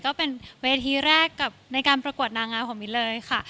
ก็เป็นเวทีแรกกับในการประกวดนางงามของมิ้นเลยค่ะ